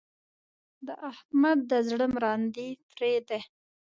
د احمد د زړه مراندې پرې دي.